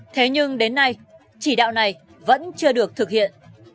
thế nhưng đến nay chỉ đạo này vẫn chưa được thực hiện